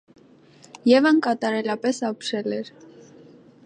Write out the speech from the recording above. Եվան կատարելապես ապշել էր: